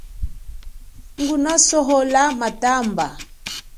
Nguna sohola matamba.